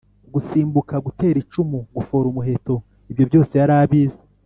gusimbuka, gutera icumu, gufora umuheto ibyo byose yarabizi